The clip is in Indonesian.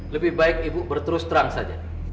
lebih baik ibu berterus terang saja